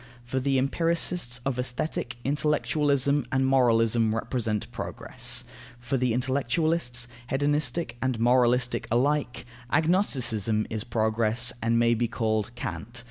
For the empiricists of Aesthetic, intellectualism and moralism represent progress; for the intellectualists, hedonistic and moralistic alike, agnosticism is progress and may be called Kant.